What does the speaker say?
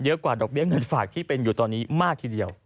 กว่าดอกเบี้ยเงินฝากที่เป็นอยู่ตอนนี้มากทีเดียว